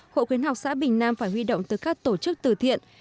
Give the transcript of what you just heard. hội khuyến học xã bình nam phải huy động từ các tổ chức từ thiện